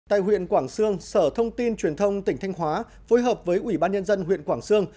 tại huyện quảng sương sở thông tin truyền thông tỉnh thanh hóa phối hợp với ubnd huyện quảng sương